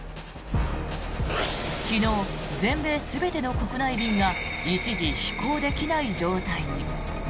昨日、全米全ての国内便が一時飛行できない状態に。